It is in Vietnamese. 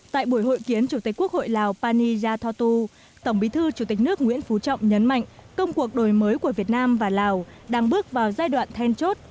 tại buổi hội kiến chủ tịch quốc hội lào pani yathotu tổng bí thư chủ tịch nước nguyễn phú trọng nhấn mạnh công cuộc đổi mới của việt nam và lào đang bước vào giai đoạn then chốt